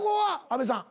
阿部さん。